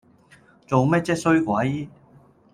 做咩啫衰鬼